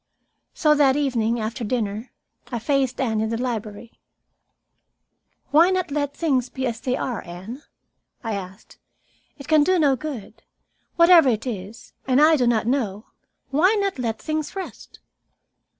So that evening, after dinner, I faced Anne in the library. "Why not let things be as they are, Anne?" I asked. "It can do no good. Whatever it is, and I do not know, why not let things rest?"